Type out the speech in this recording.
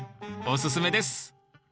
おすすめです